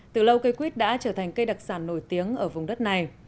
từ lâu cây quýt đã trở thành cây đặc sản nổi tiếng ở vùng đất này